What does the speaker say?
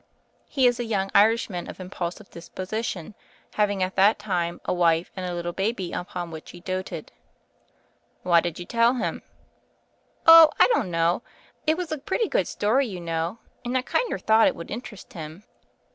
He is a young Irishman of impulsive disposition, having at that time a wife and a little baby upon which he doted. "Why did you tell him?" "Oh, I don't know. It was a pretty good story you know, and I kinder thought it would interest him."